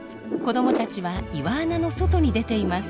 子どもたちは岩穴の外に出ています。